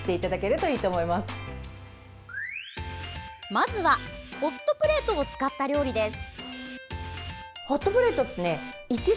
まずは、ホットプレートを使った料理です。